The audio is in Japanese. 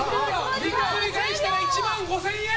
ひっくり返したら１万５０００円！